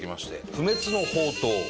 不滅の法灯？